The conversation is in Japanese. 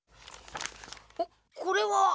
おっこれは。